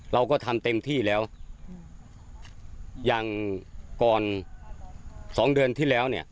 เราก็ทำเต็มที่แล้วอย่างก่อนสองเดือนที่แล้วเนี่ย